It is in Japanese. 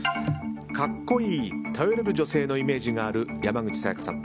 格好いい頼れる女性のイメージがある山口紗弥加さん。